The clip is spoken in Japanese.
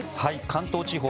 関東地方